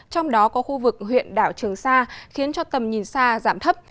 trong đó có khu vực huyện đảo trường sa khiến cho tầm nhìn xa giảm thấp